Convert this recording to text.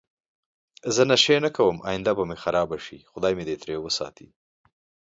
زه نشی نه کوم اینده به می خرابه شی خدای می دی تری وساتی